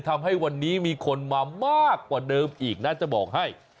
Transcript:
ทำให้วันนี้มีคนมามากกว่าเดิมอีกนะจะบอกให้